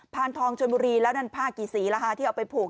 ทองชนบุรีแล้วนั่นผ้ากี่สีล่ะฮะที่เอาไปผูก